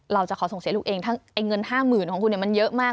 เราจะขอส่งเสียลูกเองทั้งเงิน๕๐๐๐ของคุณมันเยอะมาก